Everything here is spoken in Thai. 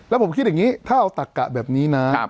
แล้วผมคิดอย่างนี้ถ้าเอาตักกะแบบนี้นะ